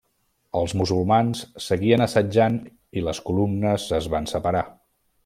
Els musulmans seguien assetjant i les columnes es van separar.